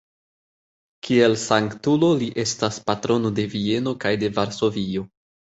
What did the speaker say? Kiel sanktulo li estas patrono de Vieno kaj de Varsovio.